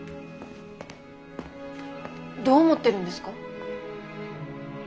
どう思ってるんですか？